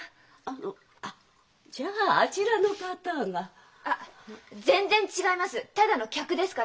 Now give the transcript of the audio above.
あのあっじゃああちらの方が？あっ全然違います！